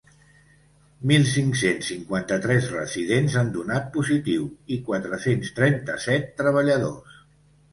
Mil cinc-cents cinquanta-tres residents han donat positiu i quatre-cents trenta-set treballadors.